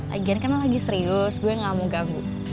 lagian kan lo lagi serius gue gak mau ganggu